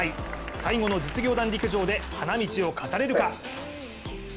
最後の実業団陸上で花道を飾れるか。